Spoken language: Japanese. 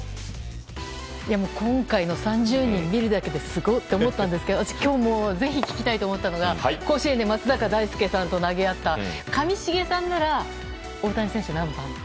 今回の３０人を見るだけですごいと思ったんですけど今日ぜひ聞きたいと思ったのが甲子園で松坂大輔さんと投げ合った上重さんなら大谷選手になるのかな？